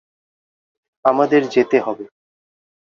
আমাদের যেতে হবে।